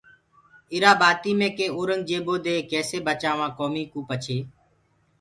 ايٚرآ ٻآتيٚ مي ڪي اورنٚگجيبو دي ڪيسي بچآوآنٚ ڪوميٚ ڪو پڇي